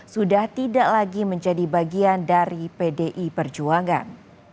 sudah tidak lagi menjadi bagian dari pdi perjuangan